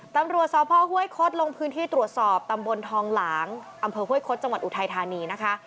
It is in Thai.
ตำรวจสพห้วยคดลงพื้นที่ตรวจสอบตำบลทองหลางอำเภอห้วยคดจังหวัดอุทัยธานีนะคะ